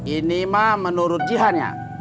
ini mah menurut jihan ya